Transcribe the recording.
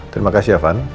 terima kasih irvan